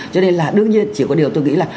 cho nên là đương nhiên chỉ có điều tôi nghĩ là